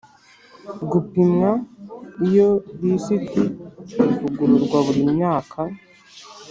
gupimwa Iyo lisiti ivugururwa buri myaka